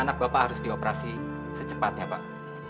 anak bapak harus dioperasi secepatnya pak